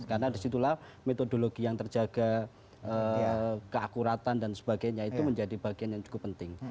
karena disitulah metodologi yang terjaga keakuratan dan sebagainya itu menjadi bagian yang cukup penting